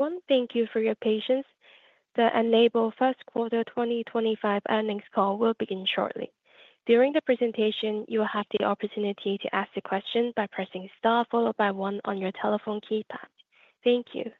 John, thank you for your patience. The N-able First Quarter 2025 earnings call will begin shortly. During the presentation, you will have the opportunity to ask a question by pressing star followed by one on your telephone keypad. Thank you.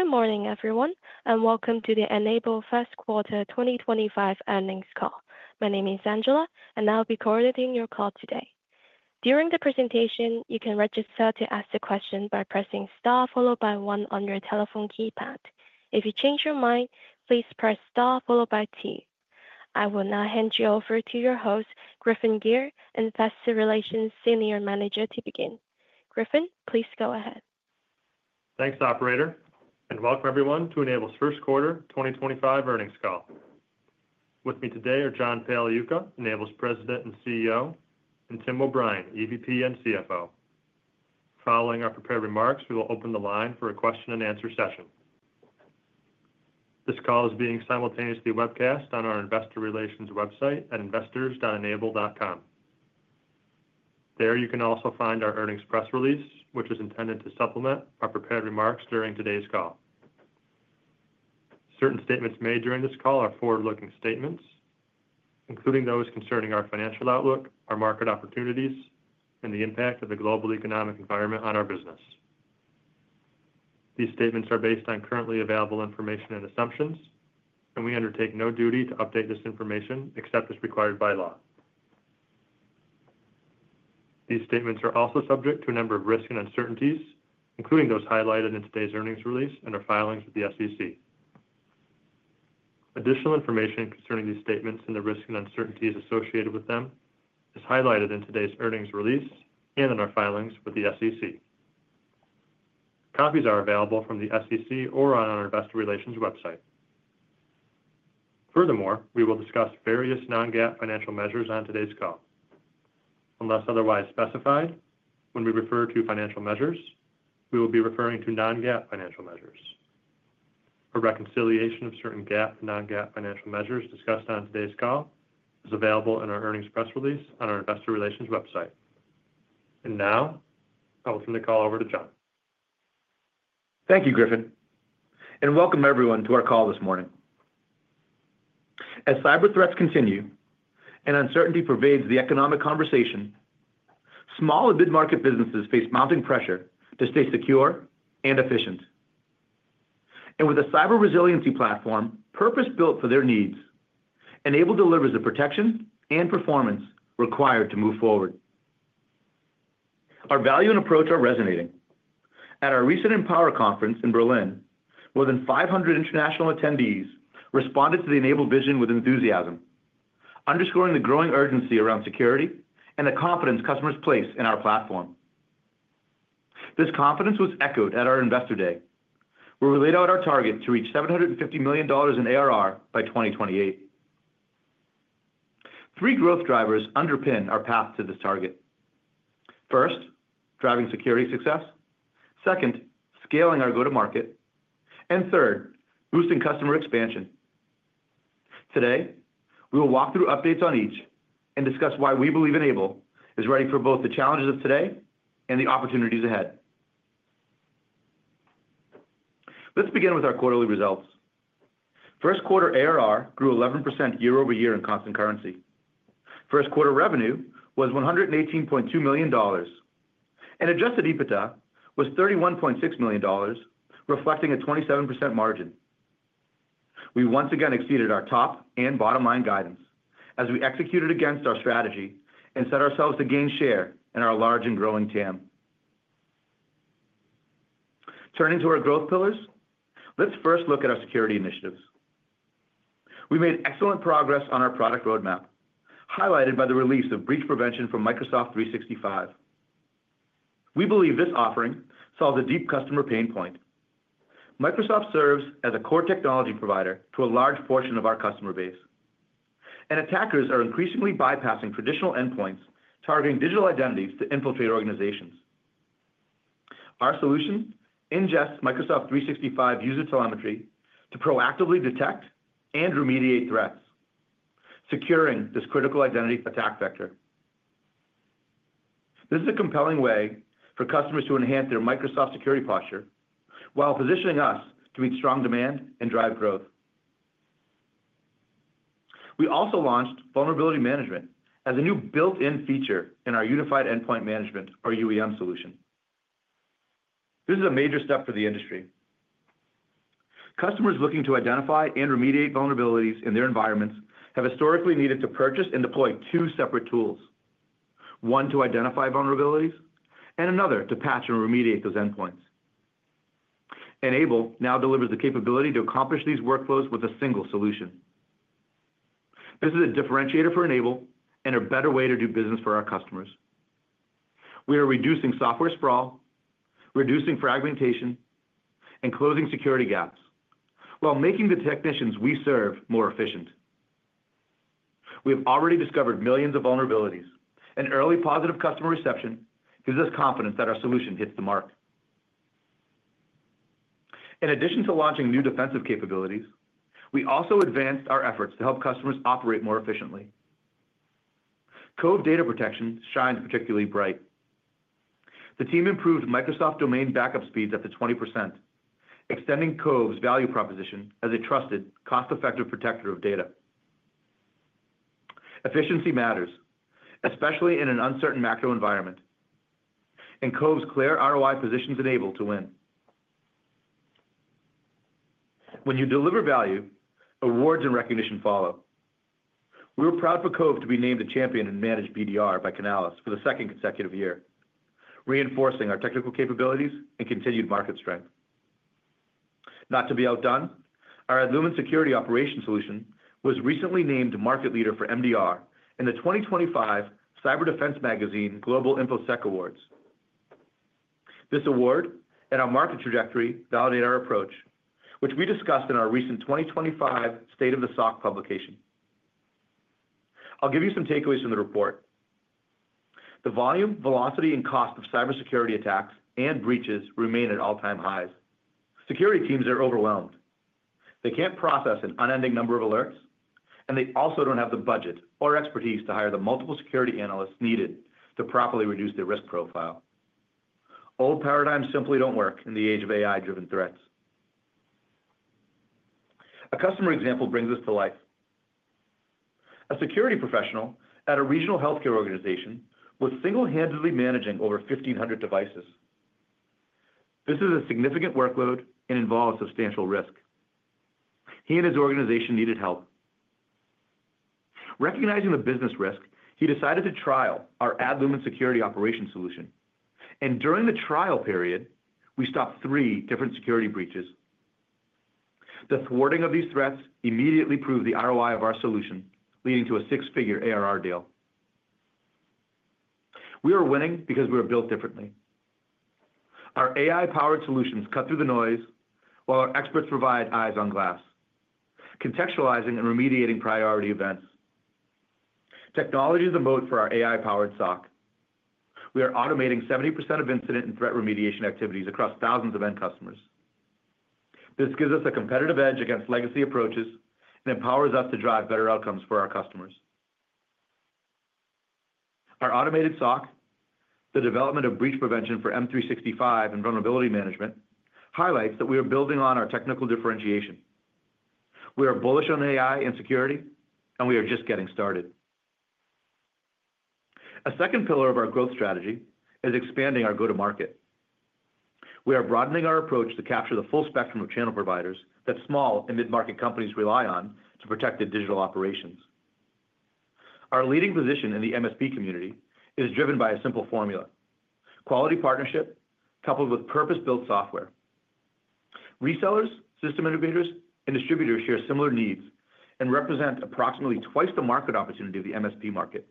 Good morning, everyone, and welcome to the N-able First Quarter 2025 earnings call. My name is Angela, and I'll be coordinating your call today. During the presentation, you can register to ask a question by pressing star followed by one on your telephone keypad. If you change your mind, please press star followed by T. I will now hand you over to your host, Griffin Gyr, Investor Relations Senior Manager, to begin. Griffin, please go ahead. Thanks, Operator, and welcome everyone to N-able's First Quarter 2025 earnings call. With me today are John Pagliuca, N-able's President and CEO, and Tim O'Brien, EVP and CFO. Following our prepared remarks, we will open the line for a question-and-answer session. This call is being simultaneously webcast on our Investor Relations website at investors.n-able.com. There you can also find our earnings press release, which is intended to supplement our prepared remarks during today's call. Certain statements made during this call are forward-looking statements, including those concerning our financial outlook, our market opportunities, and the impact of the global economic environment on our business. These statements are based on currently available information and assumptions, and we undertake no duty to update this information except as required by law. These statements are also subject to a number of risks and uncertainties, including those highlighted in today's earnings release and our filings with the SEC. Additional information concerning these statements and the risks and uncertainties associated with them is highlighted in today's earnings release and in our filings with the SEC. Copies are available from the SEC or on our Investor Relations website. Furthermore, we will discuss various non-GAAP financial measures on today's call. Unless otherwise specified, when we refer to financial measures, we will be referring to non-GAAP financial measures. A reconciliation of certain GAAP and non-GAAP financial measures discussed on today's call is available in our earnings press release on our Investor Relations website. Now, I will turn the call over to John. Thank you, Griffin, and welcome everyone to our call this morning. As cyber threats continue and uncertainty pervades the economic conversation, small and mid-market businesses face mounting pressure to stay secure and efficient. With a cyber resiliency platform purpose-built for their needs, N-able delivers the protection and performance required to move forward. Our value and approach are resonating. At our recent Empower conference in Berlin, more than 500 international attendees responded to the N-able vision with enthusiasm, underscoring the growing urgency around security and the confidence customers place in our platform. This confidence was echoed at our Investor Day, where we laid out our target to reach $750 million in ARR by 2028. Three growth drivers underpin our path to this target. First, driving security success. Second, scaling our go-to-market. Third, boosting customer expansion. Today, we will walk through updates on each and discuss why we believe N-able is ready for both the challenges of today and the opportunities ahead. Let's begin with our quarterly results. First quarter ARR grew 11% year over year in constant currency. First quarter revenue was $118.2 million. Adjusted EBITDA was $31.6 million, reflecting a 27% margin. We once again exceeded our top and bottom line guidance as we executed against our strategy and set ourselves to gain share in our large and growing TAM. Turning to our growth pillars, let's first look at our security initiatives. We made excellent progress on our product roadmap, highlighted by the release of Breach Prevention for Microsoft 365. We believe this offering solves a deep customer pain point. Microsoft serves as a core technology provider to a large portion of our customer base, and attackers are increasingly bypassing traditional endpoints targeting digital identities to infiltrate organizations. Our solution ingests Microsoft 365 user telemetry to proactively detect and remediate threats, securing this critical identity attack vector. This is a compelling way for customers to enhance their Microsoft security posture while positioning us to meet strong demand and drive growth. We also launched vulnerability management as a new built-in feature in our Unified Endpoint Management, or UEM, solution. This is a major step for the industry. Customers looking to identify and remediate vulnerabilities in their environments have historically needed to purchase and deploy two separate tools: one to identify vulnerabilities and another to patch and remediate those endpoints. N-able now delivers the capability to accomplish these workflows with a single solution. This is a differentiator for N-able and a better way to do business for our customers. We are reducing software sprawl, reducing fragmentation, and closing security gaps while making the technicians we serve more efficient. We have already discovered millions of vulnerabilities, and early positive customer reception gives us confidence that our solution hits the mark. In addition to launching new defensive capabilities, we also advanced our efforts to help customers operate more efficiently. Cove Data Protection shines particularly bright. The team improved Microsoft domain backup speeds up to 20%, extending Cove's value proposition as a trusted, cost-effective protector of data. Efficiency matters, especially in an uncertain macro environment, and Cove's clear ROI positions N-able to win. When you deliver value, awards and recognition follow. We were proud for Cove to be named a champion in managed BDR by Canalys for the second consecutive year, reinforcing our technical capabilities and continued market strength. Not to be outdone, our Lumen Security Operations solution was recently named market leader for MDR in the 2025 Cyber Defense Magazine Global InfoSec Awards. This award and our market trajectory validate our approach, which we discussed in our recent 2025 State of the SOC publication. I'll give you some takeaways from the report. The volume, velocity, and cost of cybersecurity attacks and breaches remain at all-time highs. Security teams are overwhelmed. They can't process an unending number of alerts, and they also don't have the budget or expertise to hire the multiple security analysts needed to properly reduce their risk profile. Old paradigms simply don't work in the age of AI-driven threats. A customer example brings this to life. A security professional at a regional healthcare organization was single-handedly managing over 1,500 devices. This is a significant workload and involves substantial risk. He and his organization needed help. Recognizing the business risk, he decided to trial our Lumen Security Operations solution. During the trial period, we stopped three different security breaches. The thwarting of these threats immediately proved the ROI of our solution, leading to a six-figure ARR deal. We are winning because we are built differently. Our AI-powered solutions cut through the noise while our experts provide eyes on glass, contextualizing and remediating priority events. Technology is a moat for our AI-powered SOC. We are automating 70% of incident and threat remediation activities across thousands of end customers. This gives us a competitive edge against legacy approaches and empowers us to drive better outcomes for our customers. Our automated SOC, the development of Breach Prevention for Microsoft 365 and Vulnerability Management, highlights that we are building on our technical differentiation. We are bullish on AI and security, and we are just getting started. A second pillar of our growth strategy is expanding our go-to-market. We are broadening our approach to capture the full spectrum of channel providers that small and mid-market companies rely on to protect their digital operations. Our leading position in the MSP community is driven by a simple formula: quality partnership coupled with purpose-built software. Resellers, system integrators, and distributors share similar needs and represent approximately twice the market opportunity of the MSP market.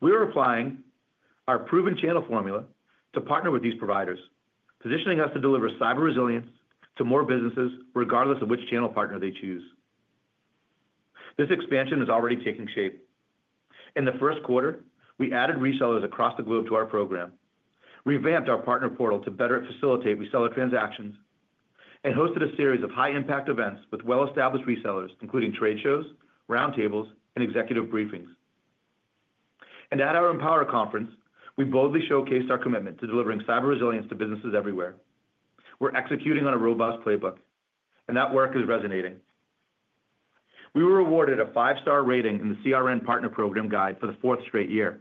We are applying our proven channel formula to partner with these providers, positioning us to deliver cyber resilience to more businesses, regardless of which channel partner they choose. This expansion is already taking shape. In the first quarter, we added resellers across the globe to our program, revamped our partner portal to better facilitate reseller transactions, and hosted a series of high-impact events with well-established resellers, including trade shows, roundtables, and executive briefings. At our Empower conference, we boldly showcased our commitment to delivering cyber resilience to businesses everywhere. We're executing on a robust playbook, and that work is resonating. We were awarded a five-star rating in the CRN Partner Program Guide for the fourth straight year,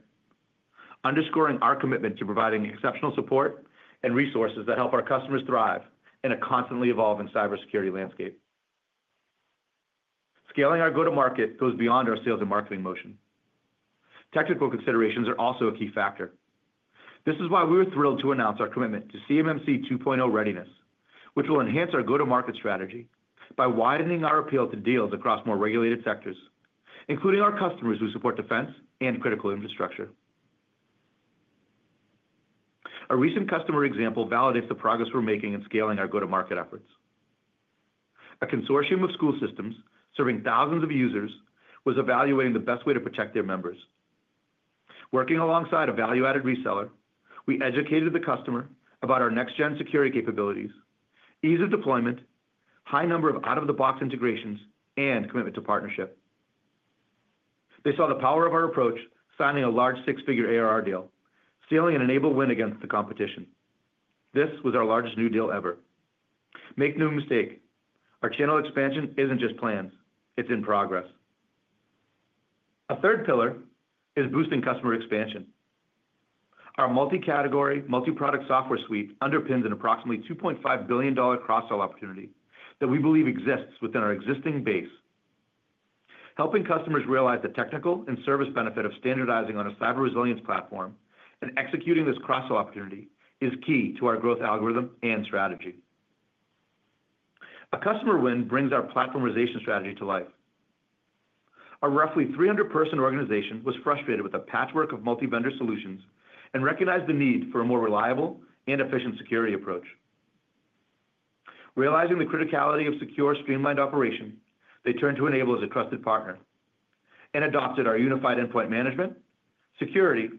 underscoring our commitment to providing exceptional support and resources that help our customers thrive in a constantly evolving cybersecurity landscape. Scaling our go-to-market goes beyond our sales and marketing motion. Technical considerations are also a key factor. This is why we were thrilled to announce our commitment to CMMC 2.0 readiness, which will enhance our go-to-market strategy by widening our appeal to deals across more regulated sectors, including our customers who support defense and critical infrastructure. A recent customer example validates the progress we're making in scaling our go-to-market efforts. A consortium of school systems serving thousands of users was evaluating the best way to protect their members. Working alongside a value-added reseller, we educated the customer about our next-gen security capabilities, ease of deployment, high number of out-of-the-box integrations, and commitment to partnership. They saw the power of our approach, signing a large six-figure ARR deal, stealing an N-able win against the competition. This was our largest new deal ever. Make no mistake, our channel expansion isn't just plans. It's in progress. A third pillar is boosting customer expansion. Our multi-category, multi-product software suite underpins an approximately $2.5 billion cross-sell opportunity that we believe exists within our existing base. Helping customers realize the technical and service benefit of standardizing on a cyber resilience platform and executing this cross-sell opportunity is key to our growth algorithm and strategy. A customer win brings our platformization strategy to life. A roughly 300-person organization was frustrated with a patchwork of multi-vendor solutions and recognized the need for a more reliable and efficient security approach. Realizing the criticality of secure, streamlined operation, they turned to N-able as a trusted partner and adopted our Unified Endpoint Management, Security,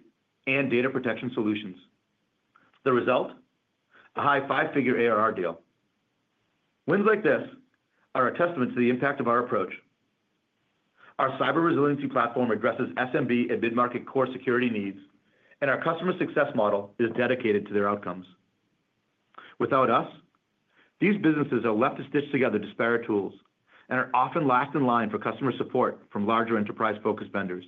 and Data Protection solutions. The result? A high five-figure ARR deal. Wins like this are a testament to the impact of our approach. Our cyber resiliency platform addresses SMB and mid-market core security needs, and our customer success model is dedicated to their outcomes. Without us, these businesses are left to stitch together disparate tools and are often last in line for customer support from larger enterprise-focused vendors.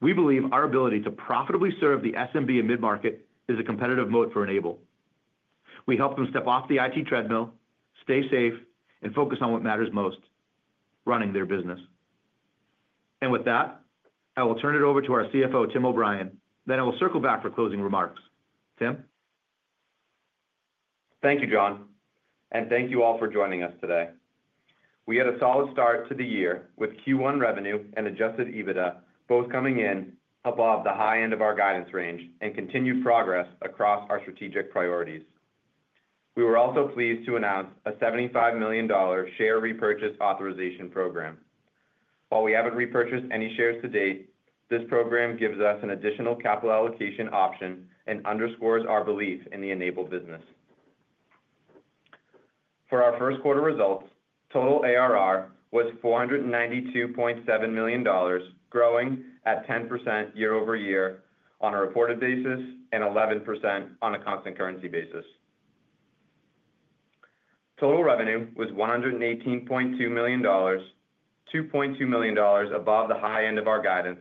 We believe our ability to profitably serve the SMB and mid-market is a competitive moat for N-able. We help them step off the IT treadmill, stay safe, and focus on what matters most: running their business. With that, I will turn it over to our CFO, Tim O'Brien. I will circle back for closing remarks. Tim? Thank you, John. Thank you all for joining us today. We had a solid start to the year with Q1 revenue and adjusted EBITDA both coming in above the high end of our guidance range and continued progress across our strategic priorities. We were also pleased to announce a $75 million share repurchase authorization program. While we haven't repurchased any shares to date, this program gives us an additional capital allocation option and underscores our belief in the N-able business. For our first quarter results, total ARR was $492.7 million, growing at 10% year over year on a reported basis and 11% on a constant currency basis. Total revenue was $118.2 million, $2.2 million above the high end of our guidance,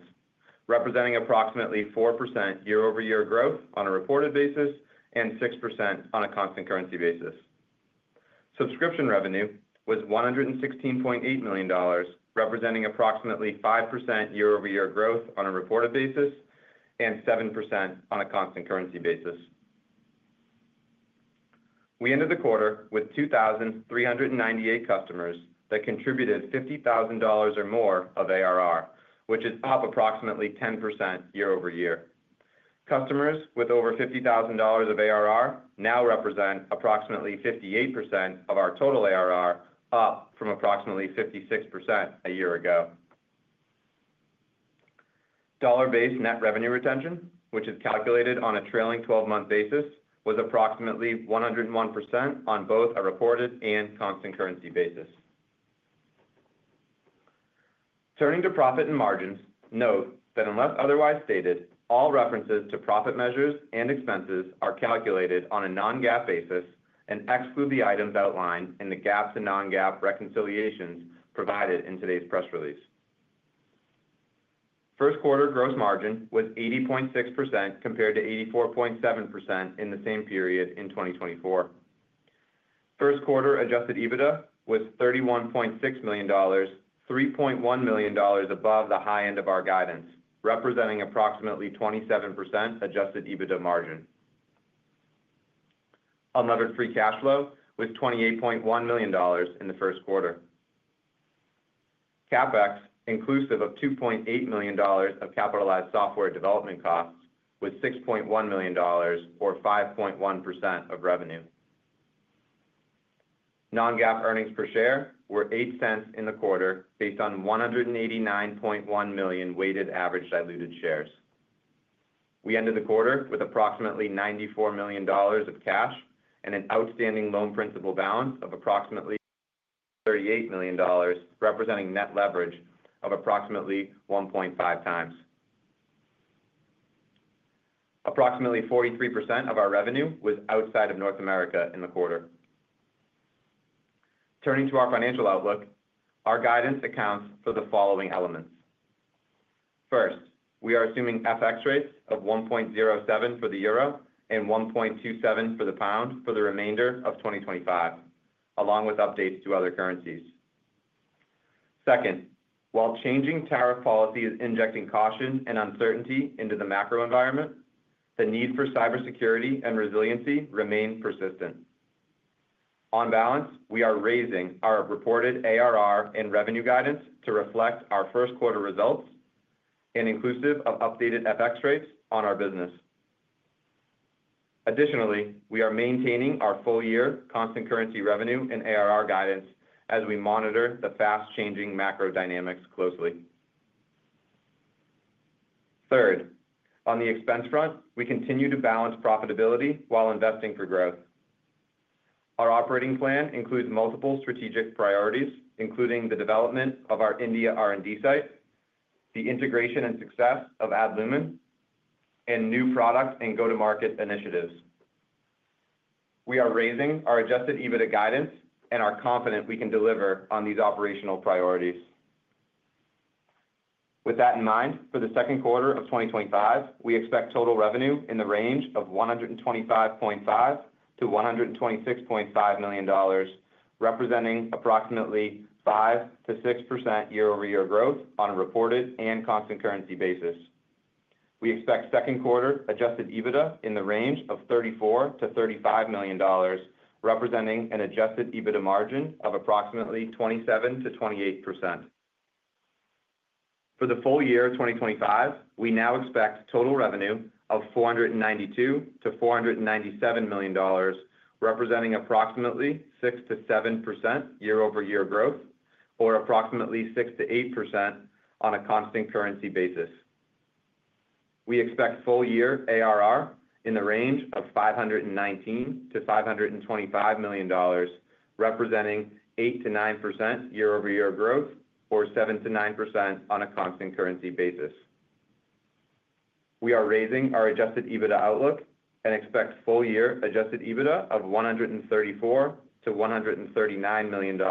representing approximately 4% year-over-year growth on a reported basis and 6% on a constant currency basis. Subscription revenue was $116.8 million, representing approximately 5% year-over-year growth on a reported basis and 7% on a constant currency basis. We ended the quarter with 2,398 customers that contributed $50,000 or more of ARR, which is up approximately 10% year over year. Customers with over $50,000 of ARR now represent approximately 58% of our total ARR, up from approximately 56% a year ago. Dollar-based net revenue retention, which is calculated on a trailing 12-month basis, was approximately 101% on both a reported and constant currency basis. Turning to profit and margins, note that unless otherwise stated, all references to profit measures and expenses are calculated on a non-GAAP basis and exclude the items outlined in the GAAP and non-GAAP reconciliations provided in today's press release. First quarter gross margin was 80.6% compared to 84.7% in the same period in 2024. First quarter adjusted EBITDA was $31.6 million, $3.1 million above the high end of our guidance, representing approximately 27% adjusted EBITDA margin. Unlevered free cash flow was $28.1 million in the first quarter. CapEx, inclusive of $2.8 million of capitalized software development costs, was $6.1 million, or 5.1% of revenue. Non-GAAP earnings per share were $0.08 in the quarter based on 189.1 million weighted average diluted shares. We ended the quarter with approximately $94 million of cash and an outstanding loan principal balance of approximately $38 million, representing net leverage of approximately 1.5 times. Approximately 43% of our revenue was outside of North America in the quarter. Turning to our financial outlook, our guidance accounts for the following elements. First, we are assuming FX rates of 1.07 for the euro and 1.27 for the pound for the remainder of 2025, along with updates to other currencies. Second, while changing tariff policy is injecting caution and uncertainty into the macro environment, the need for cybersecurity and resiliency remains persistent. On balance, we are raising our reported ARR and revenue guidance to reflect our first quarter results and inclusive of updated FX rates on our business. Additionally, we are maintaining our full-year constant currency revenue and ARR guidance as we monitor the fast-changing macro dynamics closely. Third, on the expense front, we continue to balance profitability while investing for growth. Our operating plan includes multiple strategic priorities, including the development of our India R&D site, the integration and success of Lumen Security Operations, and new product and go-to-market initiatives. We are raising our adjusted EBITDA guidance and are confident we can deliver on these operational priorities. With that in mind, for the second quarter of 2025, we expect total revenue in the range of $125.5-$126.5 million, representing approximately 5%-6% year-over-year growth on a reported and constant currency basis. We expect second quarter adjusted EBITDA in the range of $34-$35 million, representing an adjusted EBITDA margin of approximately 27%-28%. For the full year of 2025, we now expect total revenue of $492-$497 million, representing approximately 6%-7% year-over-year growth, or approximately 6%-8% on a constant currency basis. We expect full-year ARR in the range of $519-$525 million, representing 8%-9% year-over-year growth, or 7%-9% on a constant currency basis. We are raising our adjusted EBITDA outlook and expect full-year adjusted EBITDA of $134-$139 million,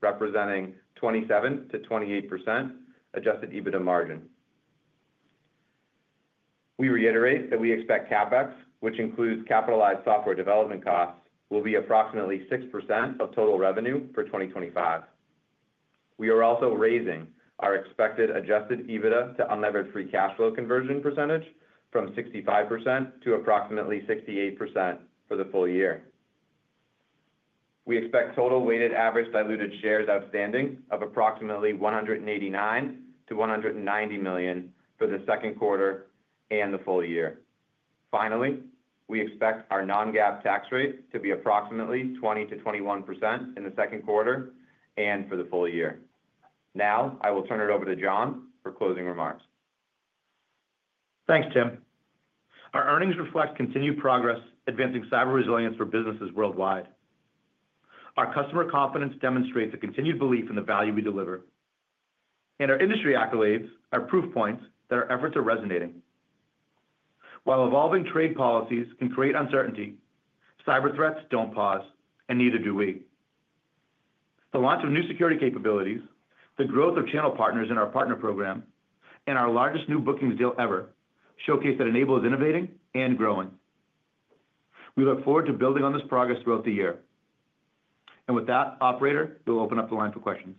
representing 27%-28% adjusted EBITDA margin. We reiterate that we expect CapEx, which includes capitalized software development costs, will be approximately 6% of total revenue for 2025. We are also raising our expected adjusted EBITDA to unlevered free cash flow conversion percentage from 65% to approximately 68% for the full year. We expect total weighted average diluted shares outstanding of approximately $189 million-$190 million for the second quarter and the full year. Finally, we expect our non-GAAP tax rate to be approximately 20%-21% in the second quarter and for the full year. Now, I will turn it over to John for closing remarks. Thanks, Tim. Our earnings reflect continued progress advancing cyber resilience for businesses worldwide. Our customer confidence demonstrates a continued belief in the value we deliver. Our industry accolades are proof points that our efforts are resonating. While evolving trade policies can create uncertainty, cyber threats do not pause, and neither do we. The launch of new security capabilities, the growth of channel partners in our partner program, and our largest new bookings deal ever showcase that N-able is innovating and growing. We look forward to building on this progress throughout the year. With that, Operator, we will open up the line for questions.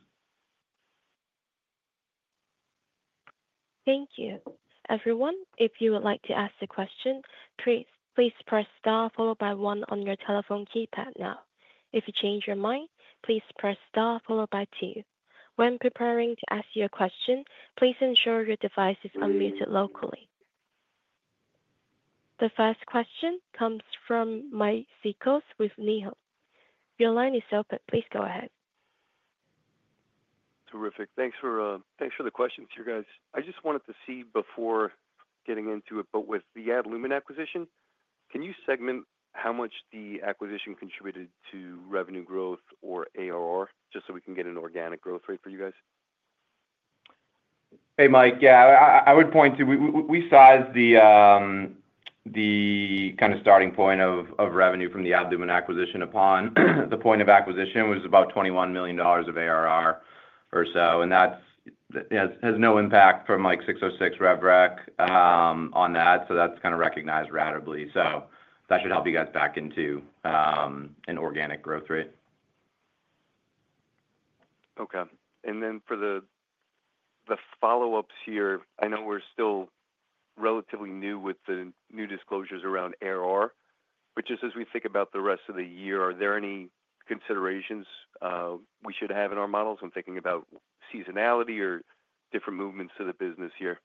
Thank you. Everyone, if you would like to ask a question, please press star followed by one on your telephone keypad now. If you change your mind, please press star followed by two. When preparing to ask your question, please ensure your device is unmuted locally. The first question comes from Mike Cikos with Needham. Your line is open. Please go ahead. Terrific. Thanks for the questions, you guys. I just wanted to see before getting into it, but with the Lumen acquisition, can you segment how much the acquisition contributed to revenue growth or ARR, just so we can get an organic growth rate for you guys? Hey, Mike, yeah, I would point to we sized the kind of starting point of revenue from the N-able Lumen acquisition upon the point of acquisition was about $21 million of ARR or so. And that has no impact from like 606 RevRec on that, so that's kind of recognized radically. So that should help you guys back into an organic growth rate. Okay. And then for the follow-ups here, I know we're still relatively new with the new disclosures around ARR, but just as we think about the rest of the year, are there any considerations we should have in our models when thinking about seasonality or different movements to the business here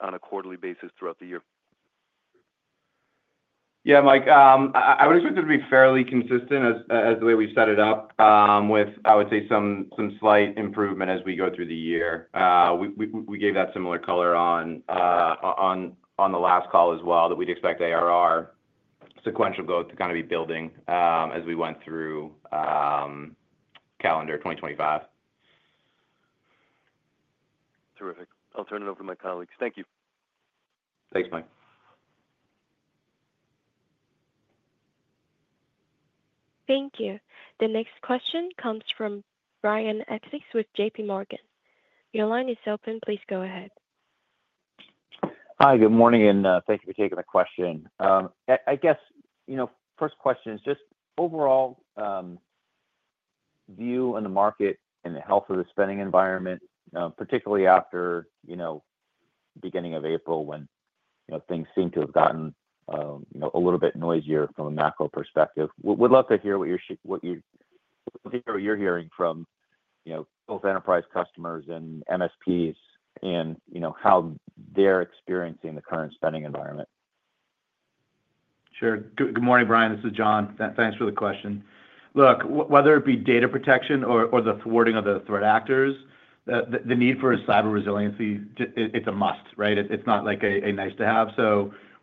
on a quarterly basis throughout the year? Yeah, Mike, I would expect it to be fairly consistent as the way we set it up with, I would say, some slight improvement as we go through the year. We gave that similar color on the last call as well, that we'd expect ARR sequential growth to kind of be building as we went through calendar 2025. Terrific. I'll turn it over to my colleagues. Thank you. Thanks, Mike. Thank you. The next question comes from Brian Essex with JPMorgan Chase & Co. Your line is open. Please go ahead. Hi, good morning, and thank you for taking the question. I guess first question is just overall view on the market and the health of the spending environment, particularly after the beginning of April when things seem to have gotten a little bit noisier from a macro perspective. We'd love to hear what you're hearing from both enterprise customers and MSPs and how they're experiencing the current spending environment. Sure. Good morning, Brian. This is John. Thanks for the question. Look, whether it be data protection or the thwarting of the threat actors, the need for cyber resiliency, it's a must, right? It's not like a nice-to-have.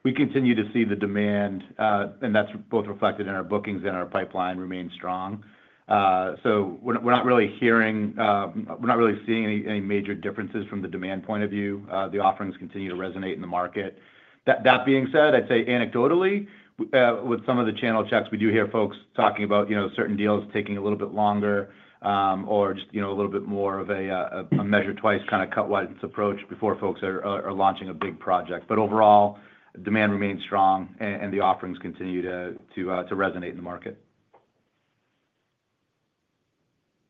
We continue to see the demand, and that's both reflected in our bookings and our pipeline remain strong. We're not really hearing, we're not really seeing any major differences from the demand point of view. The offerings continue to resonate in the market. That being said, I'd say anecdotally, with some of the channel checks, we do hear folks talking about certain deals taking a little bit longer or just a little bit more of a measure-twice kind of cut-widens approach before folks are launching a big project. Overall, demand remains strong, and the offerings continue to resonate in the market.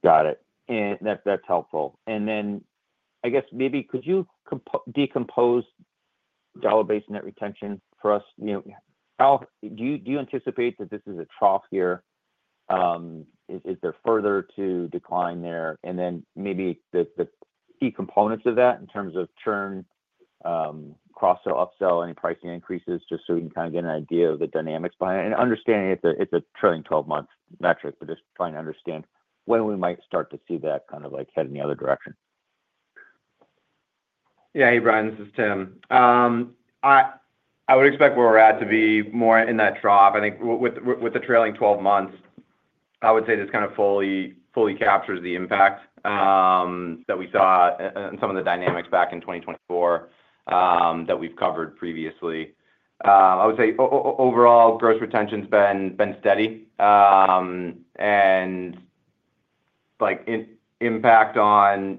Got it. That is helpful. I guess maybe could you decompose dollar-based net retention for us? Do you anticipate that this is a trough year? Is there further to decline there? Maybe the key components of that in terms of churn, cross-sell, up-sell, any pricing increases, just so we can kind of get an idea of the dynamics behind it. Understanding it is a trailing 12-month metric, just trying to understand when we might start to see that head in the other direction. Yeah, hey, Brian, this is Tim. I would expect where we are at to be more in that trough. I think with the trailing 12 months, I would say this kind of fully captures the impact that we saw and some of the dynamics back in 2024 that we've covered previously. I would say overall, gross retention's been steady. Impact on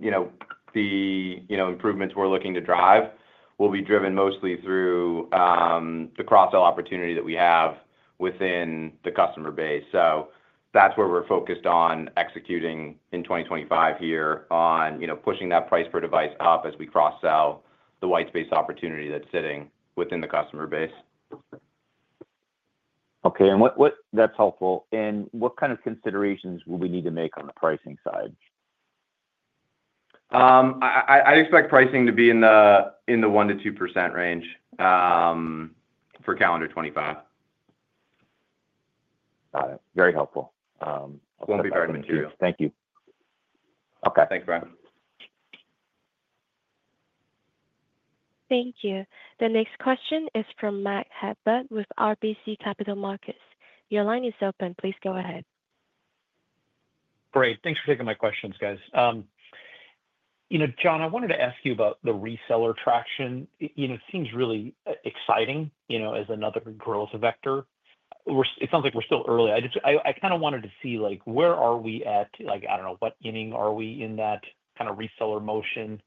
the improvements we're looking to drive will be driven mostly through the cross-sell opportunity that we have within the customer base. That's where we're focused on executing in 2025 here on pushing that price per device up as we cross-sell the white space opportunity that's sitting within the customer base. Okay. That's helpful. What kind of considerations will we need to make on the pricing side? I'd expect pricing to be in the 1%-2% range for calendar 2025. Got it. Very helpful. Don't be very material. Thank you. Okay. Thanks, Brian. Thank you. The next question is from Matt Hedberg with RBC Capital Markets. Your line is open. Please go ahead. Great. Thanks for taking my questions, guys. John, I wanted to ask you about the reseller traction. It seems really exciting as another growth vector. It sounds like we're still early. I kind of wanted to see where are we at? I don't know. What inning are we in that kind of reseller motion?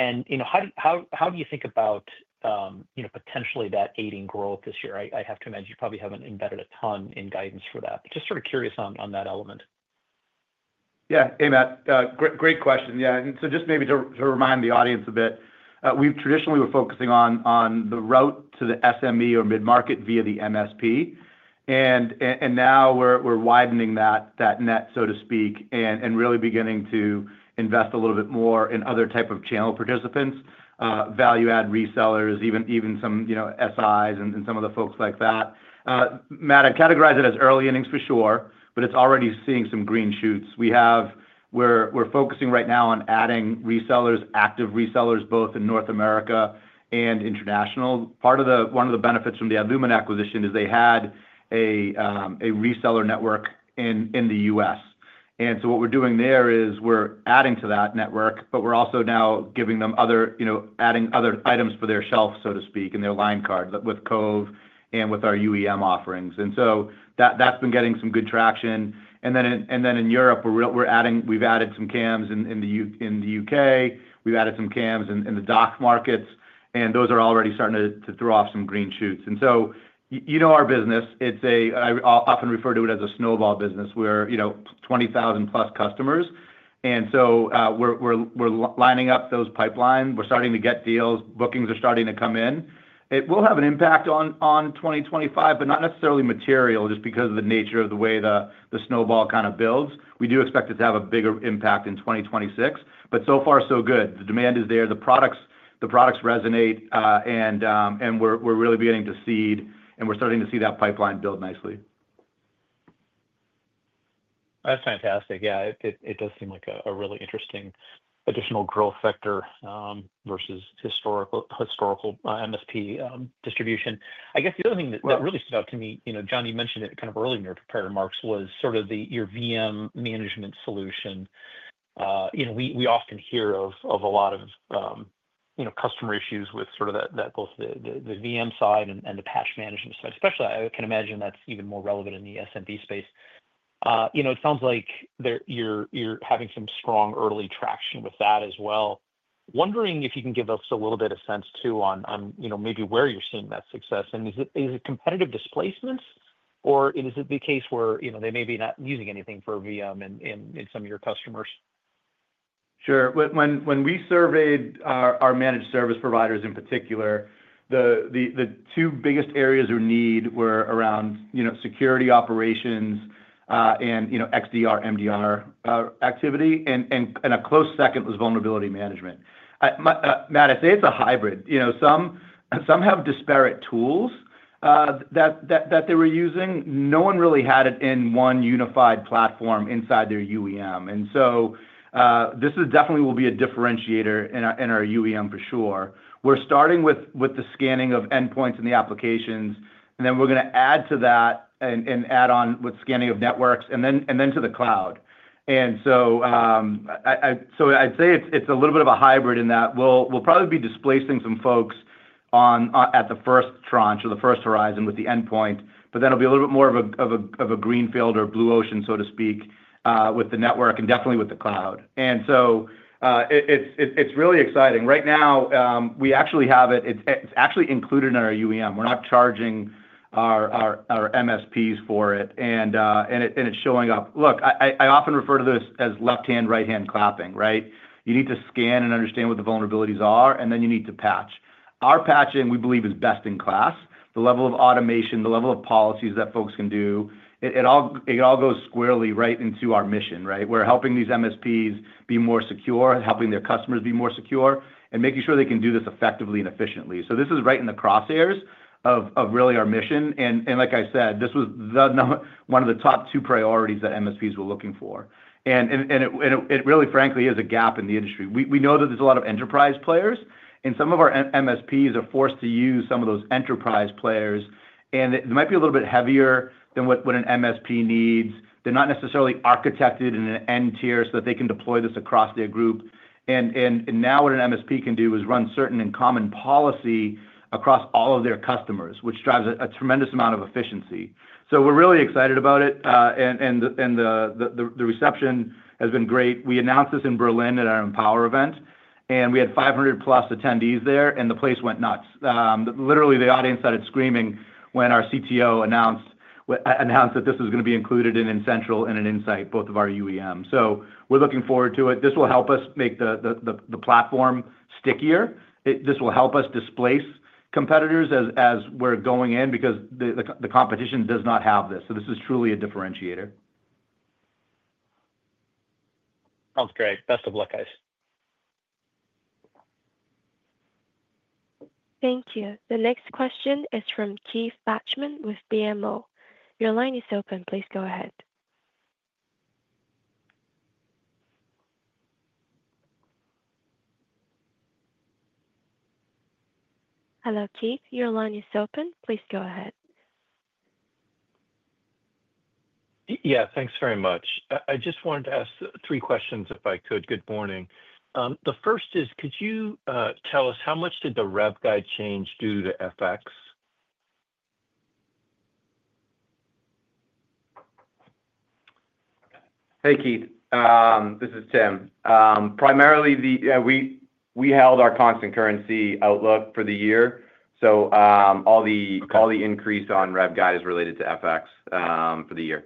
And how do you think about potentially that aiding growth this year? I have to imagine you probably haven't embedded a ton in guidance for that. Just sort of curious on that element. Yeah. Hey, Matt. Great question. Yeah. And so just maybe to remind the audience a bit, we traditionally were focusing on the route to the SME or mid-market via the MSP. Now we're widening that net, so to speak, and really beginning to invest a little bit more in other types of channel participants, value-add resellers, even some SIs and some of the folks like that. Matt, I'd categorize it as early innings for sure, but it's already seeing some green shoots. We're focusing right now on adding resellers, active resellers, both in North America and international. Part of one of the benefits from the N-able Lumen acquisition is they had a reseller network in the U.S. What we're doing there is we're adding to that network, but we're also now giving them other, adding other items for their shelf, so to speak, in their line card with Cove and with our UEM offerings. That's been getting some good traction. In Europe, we've added some CAMs in the UK We've added some CAMs in the DACH markets, and those are already starting to throw off some green shoots. And you know our business. I often refer to it as a snowball business. We're 20,000-plus customers. And so we're lining up those pipelines. We're starting to get deals. Bookings are starting to come in. It will have an impact on 2025, but not necessarily material, just because of the nature of the way the snowball kind of builds. We do expect it to have a bigger impact in 2026, but so far, so good. The demand is there. The products resonate, and we're really beginning to seed, and we're starting to see that pipeline build nicely. That's fantastic. Yeah. It does seem like a really interesting additional growth factor versus historical MSP distribution. I guess the other thing that really stood out to me, John, you mentioned it kind of early in your remarks, was sort of your VM management solution. We often hear of a lot of customer issues with sort of both the VM side and the patch management side, especially I can imagine that's even more relevant in the SMB space. It sounds like you're having some strong early traction with that as well. Wondering if you can give us a little bit of sense too on maybe where you're seeing that success. Is it competitive displacements, or is it the case where they may be not using anything for a VM in some of your customers? Sure. When we surveyed our managed service providers in particular, the two biggest areas of need were around security operations and XDR/MDR activity, and a close second was vulnerability management. Matt, I'd say it's a hybrid. Some have disparate tools that they were using. No one really had it in one unified platform inside their UEM. This definitely will be a differentiator in our UEM for sure. We're starting with the scanning of endpoints and the applications, and then we're going to add to that and add on with scanning of networks and then to the cloud. I'd say it's a little bit of a hybrid in that we'll probably be displacing some folks at the first tranche or the first horizon with the endpoint, but then it'll be a little bit more of a green field or blue ocean, so to speak, with the network and definitely with the cloud. It's really exciting. Right now, we actually have it. It's actually included in our UEM. We're not charging our MSPs for it, and it's showing up. Look, I often refer to this as left-hand, right-hand clapping, right? You need to scan and understand what the vulnerabilities are, and then you need to patch. Our patching, we believe, is best in class. The level of automation, the level of policies that folks can do, it all goes squarely right into our mission, right? We're helping these MSPs be more secure, helping their customers be more secure, and making sure they can do this effectively and efficiently. This is right in the crosshairs of really our mission. Like I said, this was one of the top two priorities that MSPs were looking for. It really, frankly, is a gap in the industry. We know that there's a lot of enterprise players, and some of our MSPs are forced to use some of those enterprise players. They might be a little bit heavier than what an MSP needs. They're not necessarily architected in an end tier so that they can deploy this across their group. What an MSP can do now is run certain and common policy across all of their customers, which drives a tremendous amount of efficiency. We are really excited about it, and the reception has been great. We announced this in Berlin at our Empower event, and we had 500-plus attendees there, and the place went nuts. Literally, the audience started screaming when our CTO announced that this was going to be included in Central and in Insight, both of our UEMs. We are looking forward to it. This will help us make the platform stickier. This will help us displace competitors as we're going in because the competition does not have this. So this is truly a differentiator. Sounds great. Best of luck, guys. Thank you. The next question is from Keith Bachman with BMO. Your line is open. Please go ahead. Hello, Keith. Your line is open. Please go ahead. Yeah. Thanks very much. I just wanted to ask three questions if I could. Good morning. The first is, could you tell us how much did the rev guide change due to FX? Hey, Keith. This is Tim. Primarily, we held our constant currency outlook for the year. So all the increase on rev guide is related to FX for the year.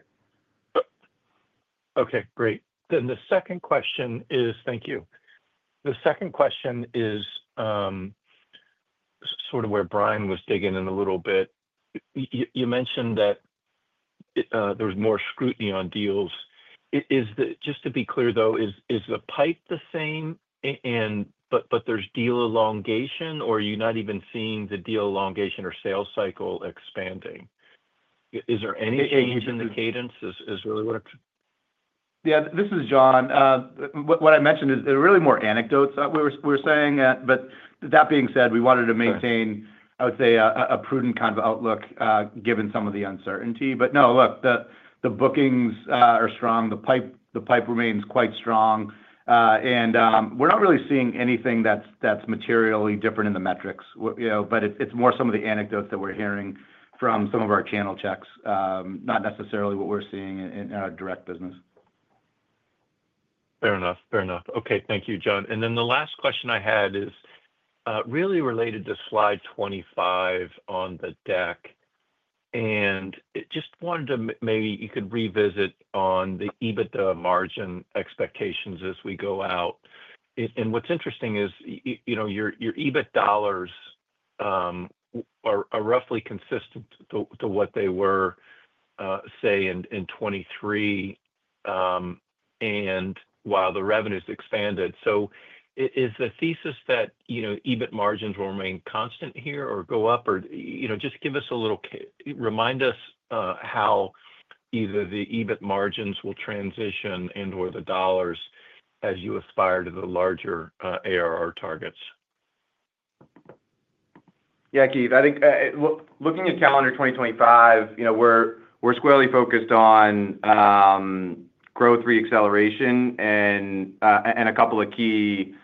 Okay. Great. Then the second question is thank you. The second question is sort of where Brian was digging in a little bit. You mentioned that there was more scrutiny on deals. Just to be clear, though, is the pipe the same, but there's deal elongation, or are you not even seeing the deal elongation or sales cycle expanding? Is there any change in the cadence is really what I'm— Yeah. This is John. What I mentioned is really more anecdotes we were saying. That being said, we wanted to maintain, I would say, a prudent kind of outlook given some of the uncertainty. No, look, the bookings are strong. The pipe remains quite strong. We're not really seeing anything that's materially different in the metrics, but it's more some of the anecdotes that we're hearing from some of our channel checks, not necessarily what we're seeing in our direct business. Fair enough. Fair enough. Okay. Thank you, John. The last question I had is really related to slide 25 on the deck. Just wanted to maybe you could revisit on the EBITDA margin expectations as we go out. What's interesting is your EBIT dollars are roughly consistent to what they were, say, in 2023, and while the revenues expanded. Is the thesis that EBIT margins will remain constant here or go up? Just give us a little remind us how either the EBIT margins will transition and/or the dollars as you aspire to the larger ARR targets. Yeah, Keith. I think looking at calendar 2025, we're squarely focused on growth reacceleration and a couple of key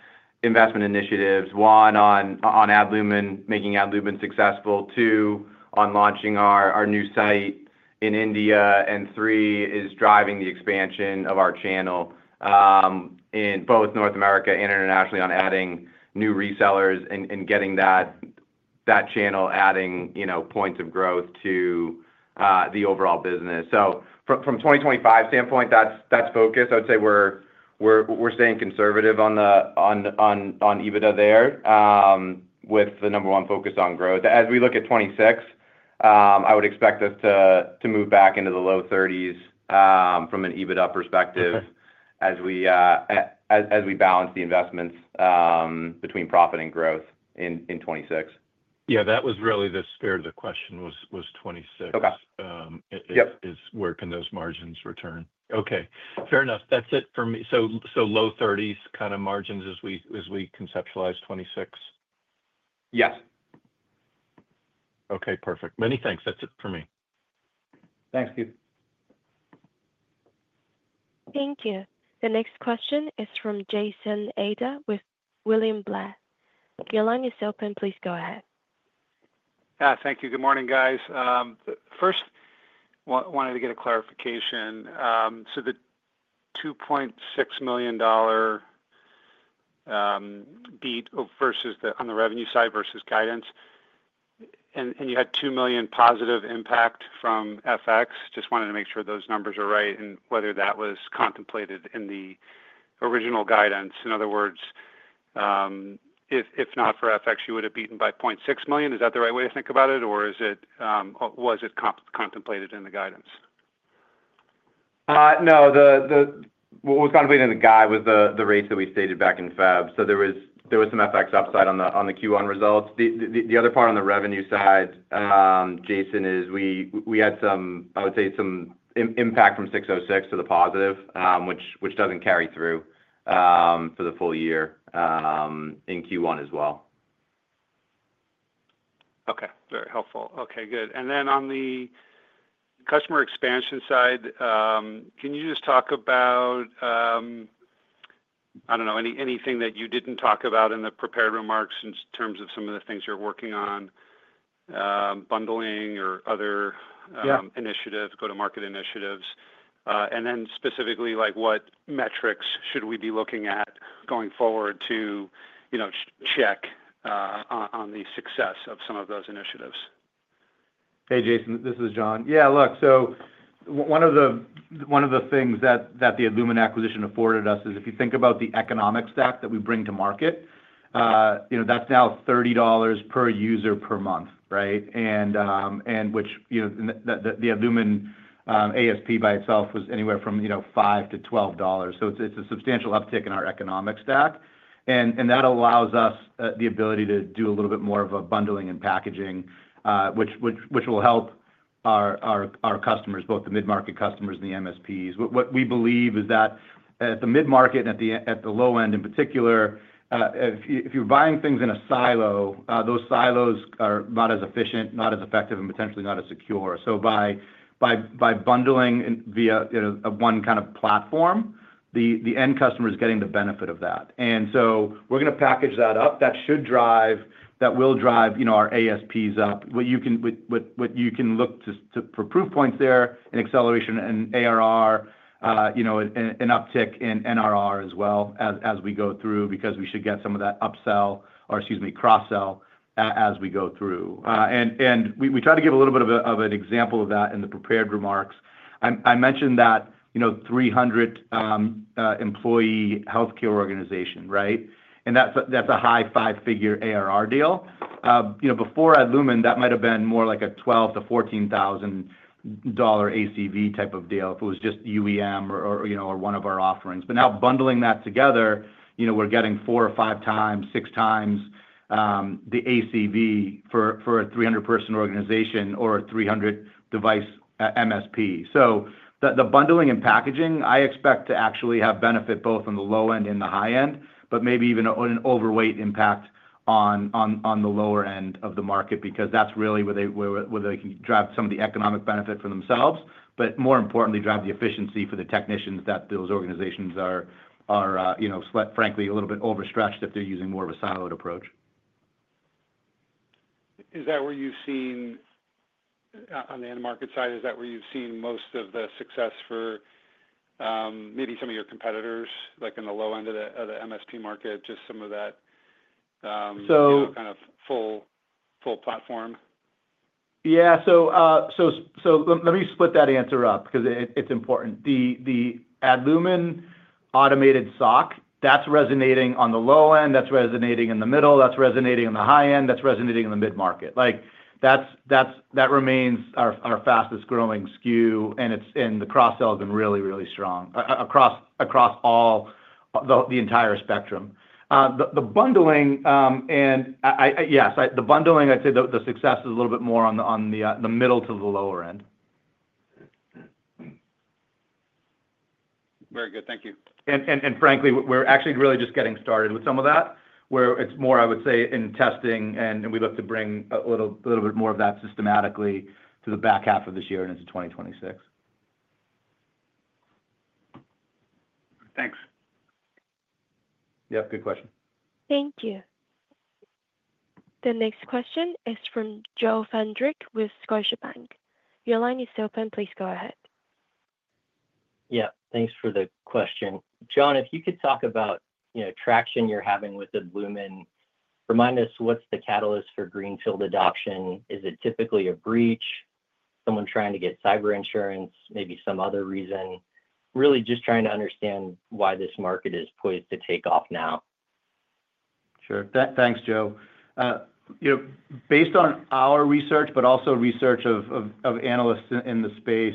investment initiatives. One on making Lumen Security Operations successful, two on launching our new site in India, and three is driving the expansion of our channel in both North America and internationally on adding new resellers and getting that channel adding points of growth to the overall business. From a 2025 standpoint, that's focus. I would say we're staying conservative on EBITDA there with the number one focus on growth. As we look at 2026, I would expect us to move back into the low 30s from an EBITDA perspective as we balance the investments between profit and growth in 2026. Yeah. That was really the spirit of the question was 2026. Is where can those margins return? Okay. Fair enough. That's it for me. So low 30s kind of margins as we conceptualize 2026? Yes. Okay. Perfect. Many thanks. That's it for me. Thanks, Keith. Thank you. The next question is from Jason Ader with William Blair & Company. Your line is open. Please go ahead. Thank you. Good morning, guys. First, wanted to get a clarification. The $2.6 million beat on the revenue side versus guidance, and you had $2 million positive impact from FX. Just wanted to make sure those numbers are right and whether that was contemplated in the original guidance. In other words, if not for FX, you would have beaten by $0.6 million. Is that the right way to think about it, or was it contemplated in the guidance? No. What was contemplated in the guide was the rates that we stated back in February. So there was some FX upside on the Q1 results. The other part on the revenue side, Jason, is we had, I would say, some impact from 606 to the positive, which does not carry through for the full year in Q1 as well. Okay. Very helpful. Okay. Good. And then on the customer expansion side, can you just talk about, I don't know, anything that you didn't talk about in the prepared remarks in terms of some of the things you're working on, bundling or other initiatives, go-to-market initiatives? Then specifically, what metrics should we be looking at going forward to check on the success of some of those initiatives? Hey, Jason. This is John. Yeah. Look, one of the things that the N-able Lumen acquisition afforded us is if you think about the economic stack that we bring to market, that's now $30 per user per month, right? Which the N-able Lumen ASP by itself was anywhere from $5-$12. So it's a substantial uptick in our economic stack. That allows us the ability to do a little bit more of a bundling and packaging, which will help our customers, both the mid-market customers and the MSPs. What we believe is that at the mid-market and at the low end in particular, if you're buying things in a silo, those silos are not as efficient, not as effective, and potentially not as secure. By bundling via one kind of platform, the end customer is getting the benefit of that. We are going to package that up. That will drive our ASPs up. You can look for proof points there and acceleration in ARR and uptick in NRR as well as we go through because we should get some of that upsell or, excuse me, cross-sell as we go through. We try to give a little bit of an example of that in the prepared remarks. I mentioned that 300-employee healthcare organization, right? That is a high five-figure ARR deal. Before N-able Lumen, that might have been more like a $12,000-$14,000 ACV type of deal if it was just UEM or one of our offerings. Now, bundling that together, we are getting four or five times, six times the ACV for a 300-person organization or a 300-device MSP. The bundling and packaging, I expect to actually have benefit both on the low end and the high end, but maybe even an overweight impact on the lower end of the market because that's really where they can drive some of the economic benefit for themselves, but more importantly, drive the efficiency for the technicians that those organizations are, frankly, a little bit overstretched if they're using more of a siloed approach. Is that where you've seen on the end market side, is that where you've seen most of the success for maybe some of your competitors in the low end of the MSP market, just some of that kind of full platform? Yeah. Let me split that answer up because it's important. The N-able Lumen automated SOC, that's resonating on the low end, that's resonating in the middle, that's resonating in the high end, that's resonating in the mid-market. That remains our fastest-growing SKU, and the cross-sell has been really, really strong across the entire spectrum. The bundling, and yes, the bundling, I'd say the success is a little bit more on the middle to the lower end. Very good. Thank you. And frankly, we're actually really just getting started with some of that, where it's more, I would say, in testing, and we look to bring a little bit more of that systematically to the back half of this year and into 2026. Thanks. Yep. Good question. Thank you. The next question is from Joe Vandrick with Scotiabank. Your line is open. Please go ahead. Yeah. Thanks for the question. John, if you could talk about traction you're having with Lumen Security Operations, remind us what's the catalyst for greenfield adoption. Is it typically a breach, someone trying to get cyber insurance, maybe some other reason? Really just trying to understand why this market is poised to take off now. Sure. Thanks, Joe. Based on our research, but also research of analysts in the space,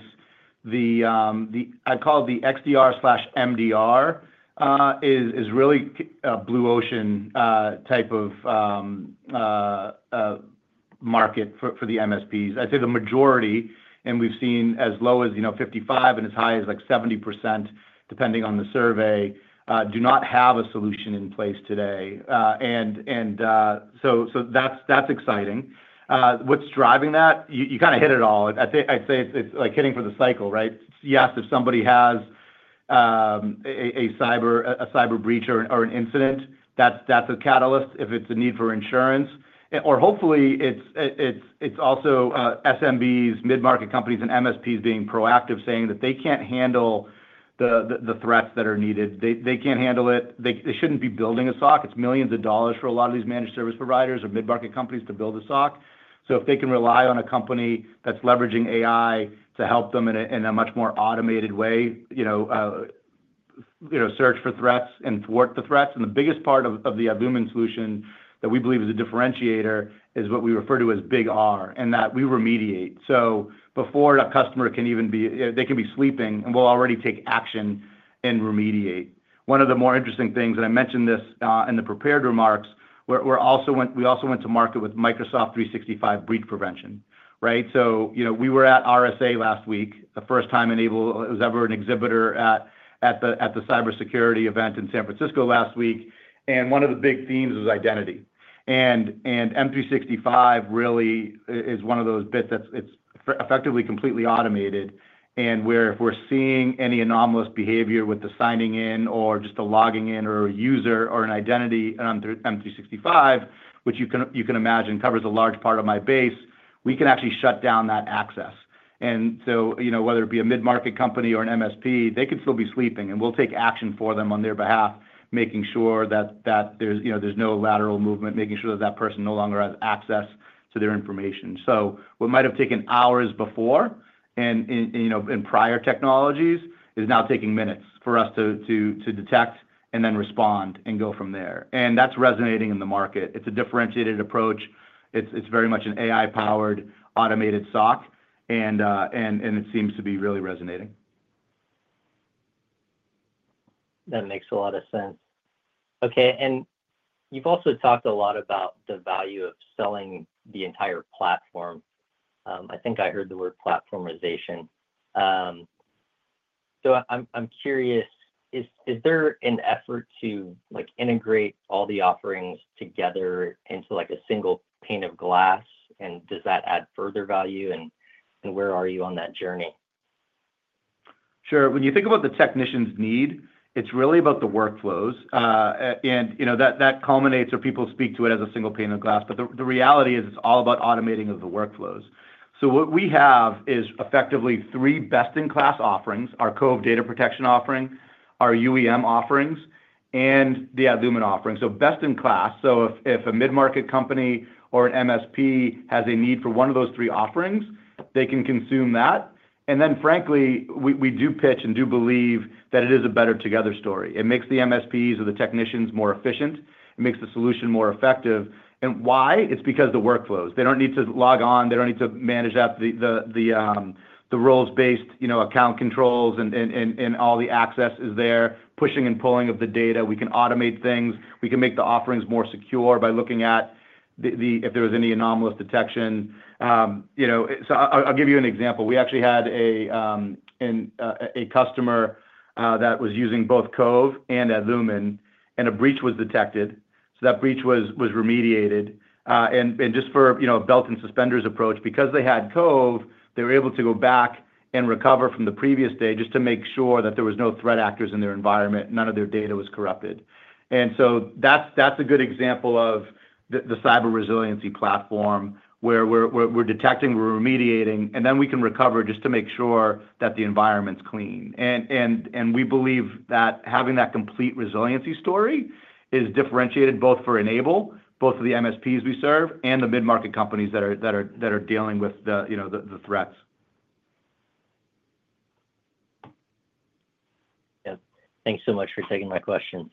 I'd call it the XDR/MDR is really a blue ocean type of market for the MSPs. I'd say the majority, and we've seen as low as 55% and as high as 70%, depending on the survey, do not have a solution in place today. That is exciting. What's driving that? You kind of hit it all. I'd say it's like hitting for the cycle, right? Yes, if somebody has a cyber breach or an incident, that's a catalyst. If it's a need for insurance, or hopefully, it's also SMBs, mid-market companies, and MSPs being proactive, saying that they can't handle the threats that are needed. They can't handle it. They shouldn't be building a SOC. It's millions of dollars for a lot of these managed service providers or mid-market companies to build a SOC. If they can rely on a company that's leveraging AI to help them in a much more automated way, search for threats and thwart the threats. The biggest part of the N-able Lumen Security Operations solution that we believe is a differentiator is what we refer to as Big R, and that we remediate. Before a customer can even be—they can be sleeping, and we'll already take action and remediate. One of the more interesting things, and I mentioned this in the prepared remarks, we also went to market with Breach Prevention for Microsoft 365, right? We were at RSA last week, the first time it was ever an exhibitor at the cybersecurity event in San Francisco last week. One of the big themes was identity. M365 really is one of those bits that's effectively completely automated, and where if we're seeing any anomalous behavior with the signing in or just a logging in or a user or an identity on M365, which you can imagine covers a large part of my base, we can actually shut down that access. Whether it be a mid-market company or an MSP, they could still be sleeping, and we'll take action for them on their behalf, making sure that there's no lateral movement, making sure that that person no longer has access to their information. What might have taken hours before in prior technologies is now taking minutes for us to detect and then respond and go from there. That is resonating in the market. It is a differentiated approach. It is very much an AI-powered automated SOC, and it seems to be really resonating. That makes a lot of sense. Okay. You have also talked a lot about the value of selling the entire platform. I think I heard the word platformization. I'm curious, is there an effort to integrate all the offerings together into a single pane of glass, and does that add further value, and where are you on that journey? Sure. When you think about the technician's need, it's really about the workflows. That culminates or people speak to it as a single pane of glass, but the reality is it's all about automating the workflows. What we have is effectively three best-in-class offerings: our Cove Data Protection offering, our UEM offerings, and the N-able Lumen offering. Best-in-class. If a mid-market company or an MSP has a need for one of those three offerings, they can consume that. Frankly, we do pitch and do believe that it is a better together story. It makes the MSPs or the technicians more efficient. It makes the solution more effective. And why? It's because the workflows. They don't need to log on. They don't need to manage the roles-based account controls and all the access is there, pushing and pulling of the data. We can automate things. We can make the offerings more secure by looking at if there was any anomalous detection. I'll give you an example. We actually had a customer that was using both Cove and Lumen, and a breach was detected. That breach was remediated. Just for a belt and suspenders approach, because they had Cove, they were able to go back and recover from the previous day just to make sure that there were no threat actors in their environment, none of their data was corrupted. That is a good example of the cyber resiliency platform where we are detecting, we are remediating, and then we can recover just to make sure that the environment is clean. We believe that having that complete resiliency story is differentiated both for N-able, both for the MSPs we serve, and the mid-market companies that are dealing with the threats. Yep. Thanks so much for taking my question.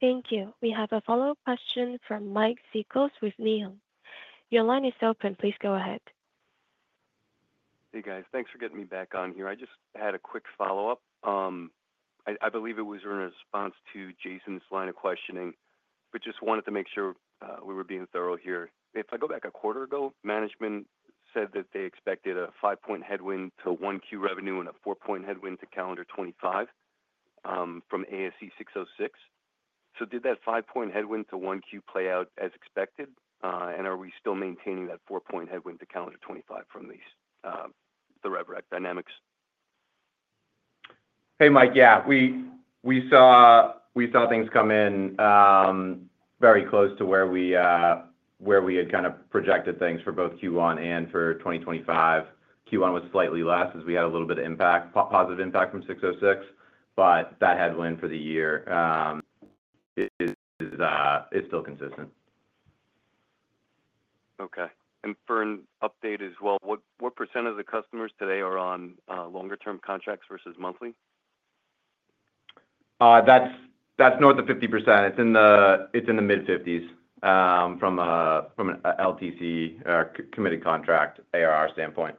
Thank you. We have a follow-up question from Mike Cikos with Needham. Your line is open. Please go ahead. Hey, guys. Thanks for getting me back on here. I just had a quick follow-up. I believe it was in response to Jason's line of questioning, but just wanted to make sure we were being thorough here. If I go back a quarter ago, management said that they expected a five-point headwind to one Q revenue and a four-point headwind to calendar 2025 from ASC 606. Did that five-point headwind to one Q play out as expected? Are we still maintaining that four-point headwind to calendar 2025 from the re-veract dynamics? Hey, Mike. Yeah. We saw things come in very close to where we had kind of projected things for both Q1 and for 2025. Q1 was slightly less as we had a little bit of impact, positive impact from 606, but that headwind for the year is still consistent. Okay. For an update as well, what percent of the customers today are on longer-term contracts versus monthly? That is north of 50%. It is in the mid-50% from an LTC or committed contract ARR standpoint.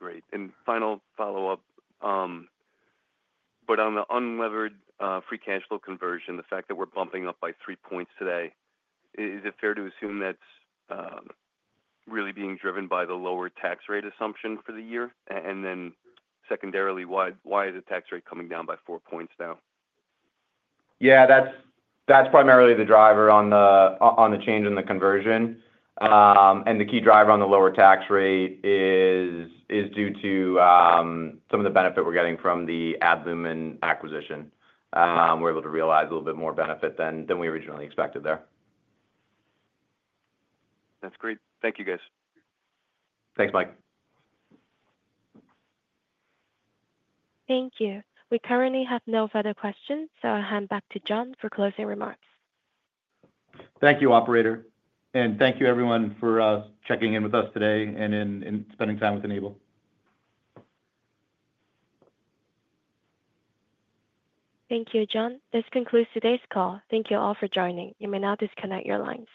Great. Final follow-up, but on the unlevered free cash flow conversion, the fact that we're bumping up by 3 points today, is it fair to assume that's really being driven by the lower tax rate assumption for the year? Secondarily, why is the tax rate coming down by 4 points now? Yeah. That's primarily the driver on the change in the conversion. The key driver on the lower tax rate is due to some of the benefit we're getting from the N-able Lumen acquisition. We're able to realize a little bit more benefit than we originally expected there. That's great. Thank you, guys. Thanks, Mike. Thank you. We currently have no further questions, so I'll hand back to John for closing remarks. Thank you, operator. Thank you, everyone, for checking in with us today and spending time with N-able. Thank you, John. This concludes today's call. Thank you all for joining. You may now disconnect your lines.